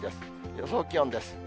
予想気温です。